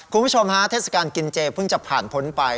คุณผู้ชมฮะเทศกาลกินเจเพิ่งจะผ่านพ้นไป